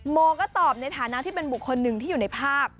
โมก็ตอบในฐานะที่เป็นบุคคลหนึ่งที่อยู่ในภาพ